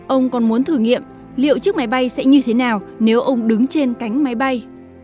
ông còn muốn thử nghiệm liệu chiếc máy bay sẽ như thế nào nếu ông đứng trên cánh máy bay